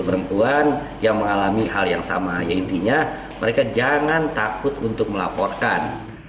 perempuan yang mengalami hal yang sama yaitunya mereka jangan takut untuk melaporkan